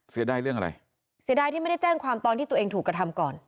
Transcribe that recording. เสียดายเรื่องอะไรเสียดายที่ไม่ได้แจ้งความตอนที่ตัวเองถูกกระทำก่อน